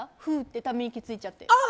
ため息ついちゃって。